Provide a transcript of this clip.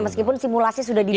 meskipun simulasi sudah dibuat